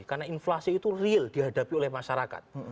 karena inflasi itu real dihadapi oleh masyarakat